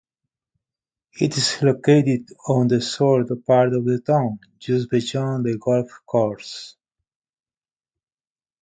It is located on the South part of town, just beyond the golf course.